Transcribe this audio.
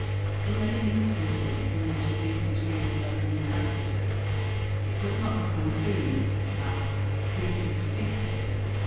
In many instances in which who is used as an interrogative, it does not become whom; as "Who do you speak to?"